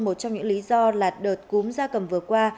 một trong những lý do là đợt cúm da cầm vừa qua